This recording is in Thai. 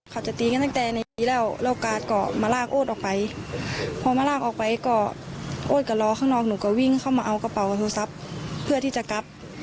เขาจะตีกันตั้งแต่ในนี้แล้วแล้วการ์ดก็มาลากโอ๊ตออกไปพอมาลากออกไปก็โอ๊ตก็รอข้างนอกหนูก็วิ่งเข้ามาเอากระเป๋าโทรศัพท์เพื่อที่จะกลับ